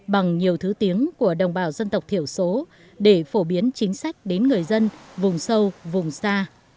bằng nhiều thứ tiếng của đồng bào dân tộc thiểu số để phổ biến chính sách đến người dân vùng sâu vùng xa